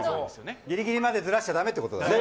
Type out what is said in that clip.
ギリギリまでずらしたらだめってことだね。